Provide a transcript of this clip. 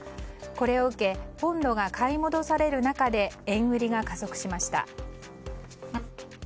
これを受けポンドが買い戻される中で円売りが加速しました。